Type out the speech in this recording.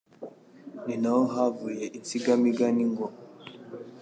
Ni naho havuye Insigamigani ngo